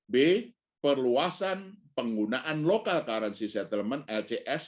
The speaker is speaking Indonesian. b perluasan penggunaan local currency settlement lcs